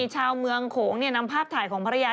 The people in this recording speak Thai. ชาวเมืองโขงนำภาพถ่ายของภรรยา